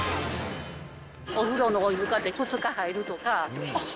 お風呂のお湯かて、２日入るとか。